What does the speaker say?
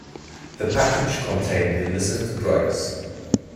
The package contained illicit drugs